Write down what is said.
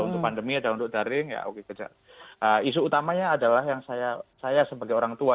untuk pandemi ada untuk daring ya oke kejar isu utamanya adalah yang saya saya sebagai orang tua